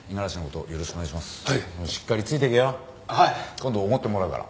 今度おごってもらうから。